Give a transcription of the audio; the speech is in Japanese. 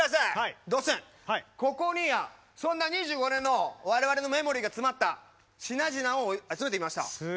ここに、そんな２５年の我々のメモリーが詰まった品々を集めてきました。